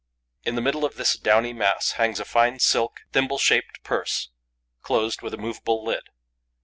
In the middle of this downy mass hangs a fine, silk, thimble shaped purse, closed with a movable lid.